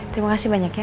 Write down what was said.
terima kasih banyak ya